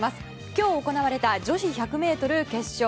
今日行われた女子１００ｍ決勝。